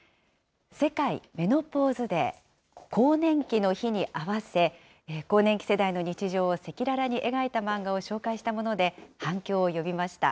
世界メノポーズデー・更年期の日に合わせ、更年期世代の日常を赤裸々に描いた漫画を紹介したもので、反響を呼びました。